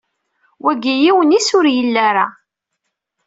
Wagi yiwen-is ur yelli ara.